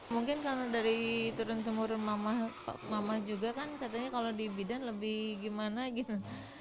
mungkin karena dari turun temurun mama juga kan katanya kalau di bidan lebih gimana gitu